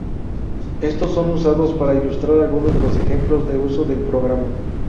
Estos son usados para ilustrar algunos de los ejemplos de uso del programa.